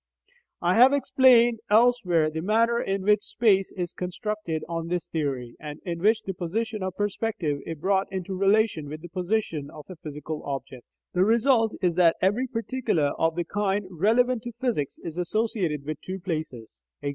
* *I have explained elsewhere the manner in which space is constructed on this theory, and in which the position of a perspective is brought into relation with the position of a physical object ("Our Knowledge of the External World," Lecture III, pp. 90, 91). The result is that every particular of the kind relevant to physics is associated with TWO places; e.g.